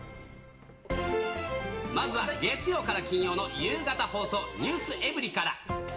まずは月曜から金曜の夕方放送、ｎｅｗｓｅｖｅｒｙ．から。